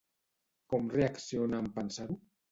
Com reacciona en pensar-ho?